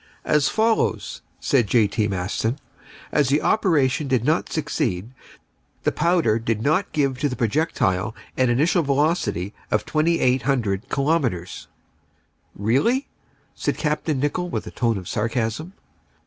"As follows," said J. T. Maston. "As the operation did not succeed, the powder did not give to the projectile an initial velocity of 2,800 kilometres." "Really?" said Capt. Nicholl, with a tone of sarcasm.